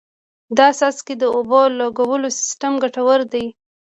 د څاڅکي اوبو لګولو سیستم ګټور دی.